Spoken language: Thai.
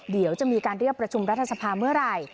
เดี๋ยวจะมีการเรียกประชุมรัฐสภาเมื่อไหร่